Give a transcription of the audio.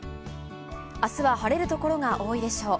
あすは晴れる所が多いでしょう。